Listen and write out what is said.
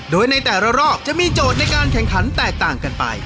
โดยในแต่ละรอบจะมีโจทย์ในการแข่งขันแตกต่างกันไป